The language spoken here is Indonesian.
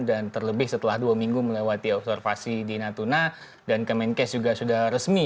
dan terlebih setelah dua minggu melewati observasi di natuna dan kemenkes juga sudah resmi